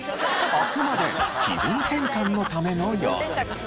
あくまで気分転換のための様子。